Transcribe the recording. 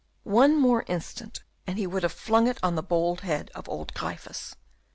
One instant more, and he would have flung it on the bald head of old Gryphus.